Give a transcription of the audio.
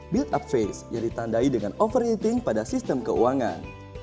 build up face yang ditandai dengan overheating pada sistem keuangan